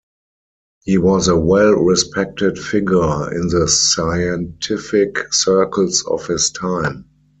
He was a well-respected figure in the scientific circles of his time.